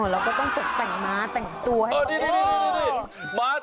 อ๋อเราก็ต้องฝึกสังคม้าสังคม้าตัวให้ออกมา